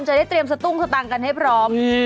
จะได้เตรียมสตุ้งสตางค์กันให้พร้อม